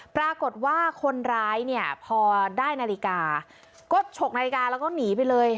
ปรากฏว่าคนร้ายเนี่ยพอได้นาฬิกาก็ฉกนาฬิกาแล้วก็หนีไปเลย